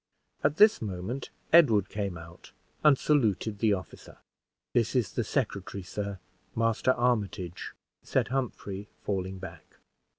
At this moment, Edward came out and saluted the officer. "This is the secretary, sir, Master Armitage," said Humphrey, falling back.